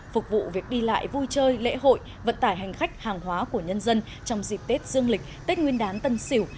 phục vụ việc đi lại vui chơi lễ hội vận tải hành khách hàng hóa của nhân dân trong dịp tết dương lịch tết nguyên đán tân sỉu